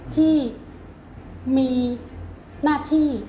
ที่มีหน้าที่